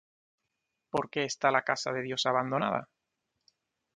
¿Por qué está la casa de Dios abandonada?